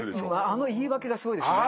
あの言い訳がすごいですよね。